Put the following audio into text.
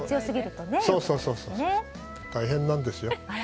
大変なんですよ。